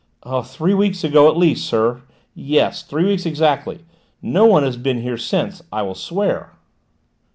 "Three weeks ago at least, sir: yes, three weeks exactly; no one has been here since, I will swear."